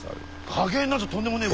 加減なぞとんでもねえ。